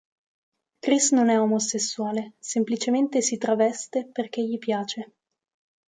Chris non è omosessuale, semplicemente si traveste perché gli piace.